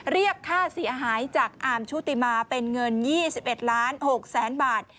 เรียกค่าเสียหายจากอาร์มชุติมาเป็นเงิน๒๑ล้าน๖แสนบาท